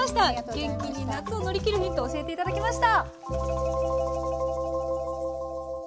元気に夏を乗り切るヒント教えていただきました。